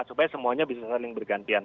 supaya semuanya bisa saling bergantian